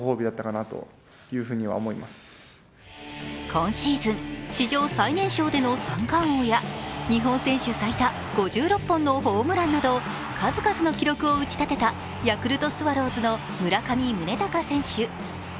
今シーズン、史上最年少での三冠王や日本選手最多、５６本のホームランなど数々の記録を打ち立てたヤクルトスワローズの村上宗隆選手。